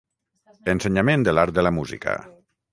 Ensenyament de l'art de la música.